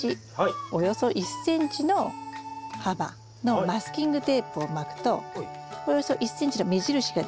およそ１ｃｍの幅のマスキングテープを巻くとおよそ１ｃｍの目印ができますよね。